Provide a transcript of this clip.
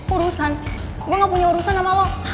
urusan gue gak punya urusan sama lo